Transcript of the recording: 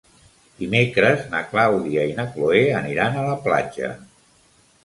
Dimecres na Clàudia i na Cloè aniran a la platja.